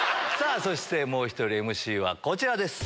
そしてもう１人ＭＣはこちらです。